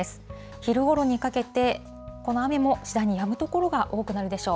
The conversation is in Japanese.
昼ごろにかけて、この雨も次第にやむ所が多くなるでしょう。